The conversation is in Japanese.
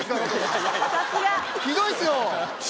ひどいっすよ。